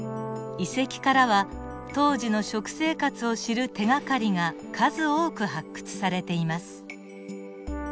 遺跡からは当時の食生活を知る手がかりが数多く発掘されています。